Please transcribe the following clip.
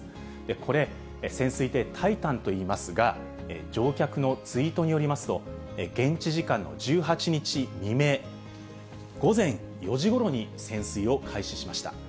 これ、潜水艇タイタンといいますが、乗客のツイートによりますと、現地時間の１８日未明、午前４時ごろに潜水を開始しました。